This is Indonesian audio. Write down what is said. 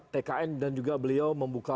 tkn dan juga beliau membuka